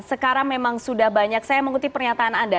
sekarang memang sudah banyak saya mengutip pernyataan anda